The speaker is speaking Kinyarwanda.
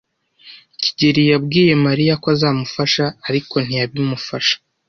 kigeli yabwiye Mariya ko azamufasha, ariko ntiyabimufasha.